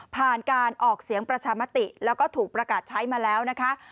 ผ่านการออกเสียงประชามติแล้วก็ถูกประกาศใช้มาแล้วนะคะ